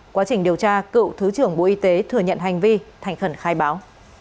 quá trình điều tra cựu thứ trưởng bộ y tế thừa nhận hành vi thành khẩn khai báo